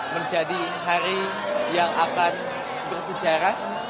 menjadi hari yang akan bersejarah